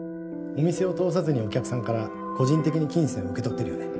お店を通さずにお客さんから個人的に金銭を受け取ってるよね。